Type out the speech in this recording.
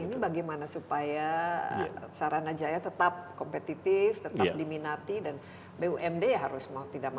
ini bagaimana supaya sarana jaya tetap kompetitif tetap diminati dan bumd harus mau tidak mau